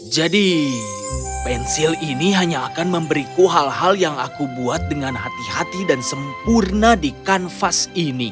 jadi pensil ini hanya akan memberiku hal hal yang aku buat dengan hati hati dan sempurna di kanvas ini